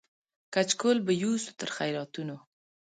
کچکول به یوسو تر خیراتونو